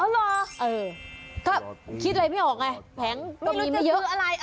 อ๋อเหรอก็คิดอะไรไม่ออกไงแผงก็มีไม่เยอะไม่รู้จะเลือกอะไร